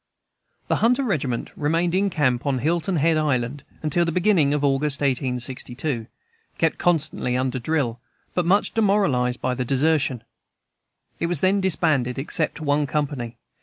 The "Hunter Regiment" remained in camp on Hilton Head Island until the beginning of August, 1862, kept constantly under drill, but much demoralized by desertion. It was then disbanded, except one company.